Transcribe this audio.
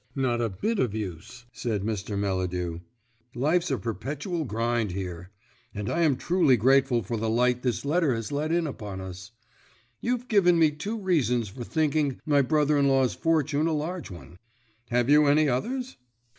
"Not a bit of use," said Mr. Melladew; "life's a perpetual grind here, and I am truly grateful for the light this letter has let in upon us. You've given me two reasons for thinking my brother in law's fortune a large one. Have you any others?"